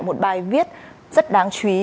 một bài viết rất đáng chú ý